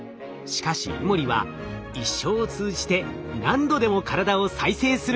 しかしイモリは一生を通じて何度でも体を再生することができる。